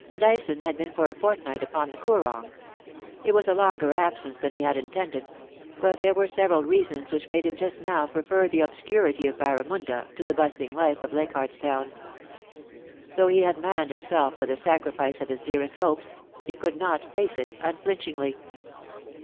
Dyson had been for a fortnight upon the Koorong. It was a longer absence than he had intended ; but there were several reasons which made him just now prefer the obscurity of Barramunda to the bustling life of Leichardt's Town. Though he had manned himself to the sacrifice of his dearest hopes, he could not face it unflinchingly.